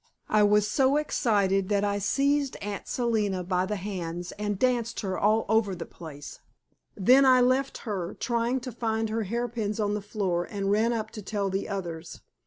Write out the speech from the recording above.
I was so excited that I seized Aunt Selina by the hands and danced her all over the place. Then I left her, trying to find her hair pins on the floor, and ran up to tell the others.